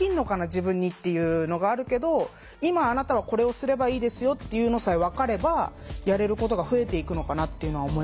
自分にっていうのがあるけど今あなたはこれをすればいいですよっていうのさえ分かればやれることが増えていくのかなっていうのは思いましたね。